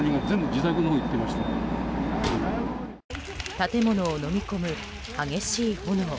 建物をのみ込む激しい炎。